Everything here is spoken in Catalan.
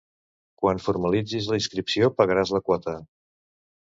Quan formalitzis la inscripció pagaràs la quota.